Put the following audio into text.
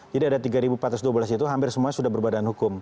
jadi ada tiga empat ratus dua belas itu hampir semuanya sudah berbadan hukum